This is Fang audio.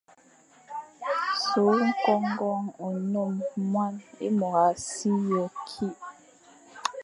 Sughle ñkôkon, nnôm, mône, é môr a si ye kî,